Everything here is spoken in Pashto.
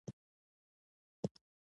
د لوی مېز پر شاوخوا ناست وو.